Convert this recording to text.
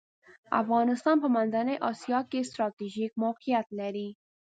افغانستان په منځنۍ اسیا کې ستراتیژیک موقیعت لری .